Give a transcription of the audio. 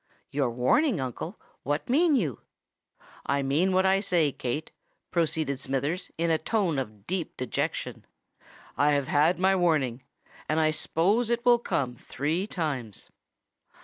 "Your warning, uncle! What mean you?" "I mean what I say, Kate," proceeded Smithers, in a tone of deep dejection: "I have had my warning; and I s'pose it will come three times."